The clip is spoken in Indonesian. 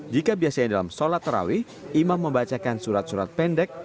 jika biasanya dalam sholat terawih imam membacakan surat surat pendek